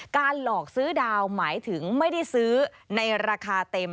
หลอกซื้อดาวหมายถึงไม่ได้ซื้อในราคาเต็ม